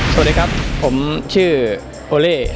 สวัสดีครับผมชื่อโอเล่